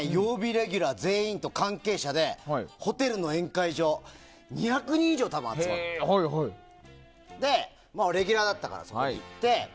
レギュラー全員と関係者でホテルの宴会場で２００人以上、多分集まって俺、レギュラーだったからその時。